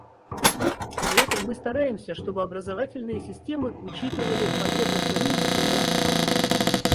При этом мы стараемся, чтобы образовательные системы учитывали потребности рынка труда.